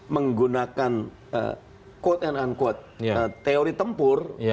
menggunakan quote and unquote teori tempur